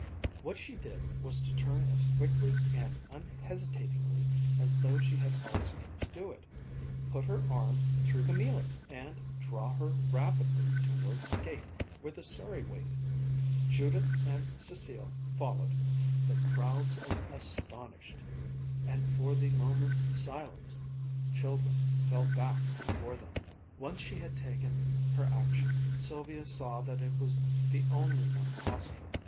What she did was to turn as quickly and unhesitatingly as though she had always meant to do it, put her arm through Camilla's and draw her rapidly towards the gate where the surrey waited. Judith and Cécile followed. The crowds of astonished, and for the moment silenced, children fell back before them. Once she had taken her action, Sylvia saw that it was the only one possible.